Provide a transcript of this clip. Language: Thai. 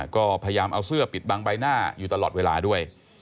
ก็พยายามเอาเสื้อปิดบังใบหน้าอยู่ตลอดเวลาด้วย